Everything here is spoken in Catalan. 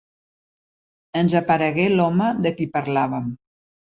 Ens aparegué l'home de qui parlàvem.